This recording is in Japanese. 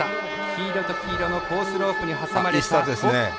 黄色と黄色のコースロープに挟まれて。